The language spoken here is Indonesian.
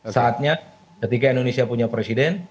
saatnya ketika indonesia punya presiden